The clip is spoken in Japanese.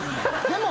でも。